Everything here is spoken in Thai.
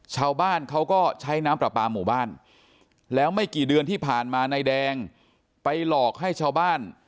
ชาวบ้านเขาก็ใช้น้ำปลาปลาหมู่บ้านแล้วไม่กี่เดือนที่ผ่านมานายแดงไปหลอกให้ชาวบ้าน